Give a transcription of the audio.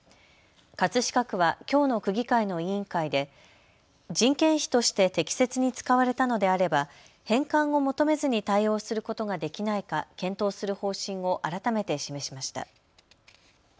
葛飾区はきょうの区議会の委員会で人件費として適切に使われたのであれば返還を求めずに対応することができないか検討する方針を改めて示しました。